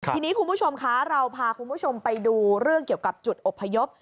ทีนี้คุณผู้ชมคะเราพาคุณผู้ชมไปดูเรื่องเกี่ยวกับจุดอบพยพ